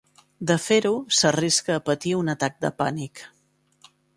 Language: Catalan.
De fer-ho, s'arrisca a patir un atac de pànic.